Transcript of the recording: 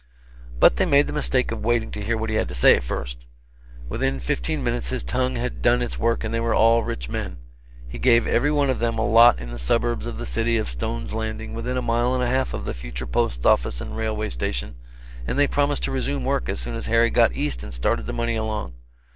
But they made the mistake of waiting to hear what he had to say first. Within fifteen minutes his tongue had done its work and they were all rich men. He gave every one of them a lot in the suburbs of the city of Stone's Landing, within a mile and a half of the future post office and railway station, and they promised to resume work as soon as Harry got east and started the money along.